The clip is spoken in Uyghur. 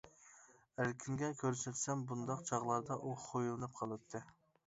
ئەركىنگە كۆرسەتسەم بۇنداق چاغلاردا ئۇ خۇيلىنىپ قالاتتى.